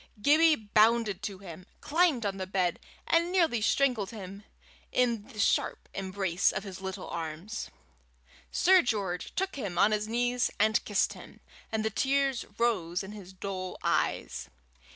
Gibbie bounded to him, climbed on the bed, and nearly strangled him in the sharp embrace of his little arms. Sir George took him on his knees and kissed him, and the tears rose in his dull eyes.